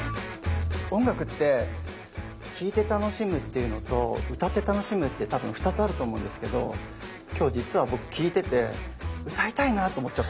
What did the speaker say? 音楽って聴いて楽しむっていうのと歌って楽しむってたぶん２つあると思うんですけど今日実は僕聴いてて歌いたいなと思っちゃった。